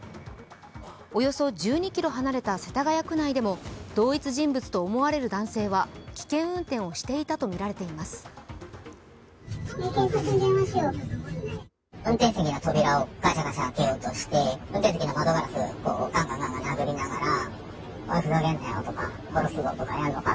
およそ１２ｋｍ離れた世田谷区内でも同一人物と思われる男性は危険運転をしていたとみられています。